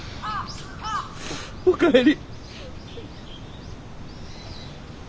お帰り。